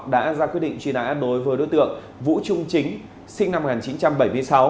đã ra quyết định truy nã đối với đối tượng vũ trung chính sinh năm một nghìn chín trăm bảy mươi sáu